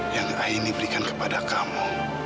yang aini berikan kepada kamu